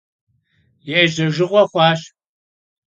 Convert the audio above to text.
Yêjejjığue xhuaş.